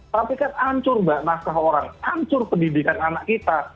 tapi kan ancur mbak masalah orang ancur pendidikan anak kita